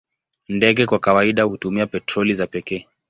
Ndege kwa kawaida hutumia petroli za pekee.